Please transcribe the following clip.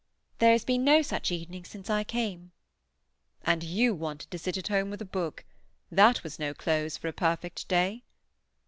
"There has been no such evening since I came." "And you wanted to sit at home with a book. That was no close for a perfect day."